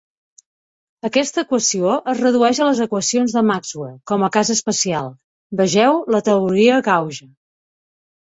Aquesta equació es redueix a les equacions de Maxwell com a cas especial; vegeu la teoria gauge.